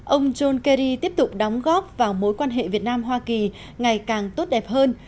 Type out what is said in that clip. ông john kerry tiếp tục đóng góp vào mối quan hệ việt nam hoa kỳ ngày càng tốt đẹp hơn